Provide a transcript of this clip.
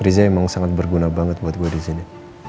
riza emang sangat berguna banget buat gue disini